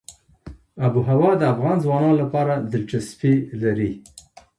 آب وهوا د افغان ځوانانو لپاره دلچسپي لري.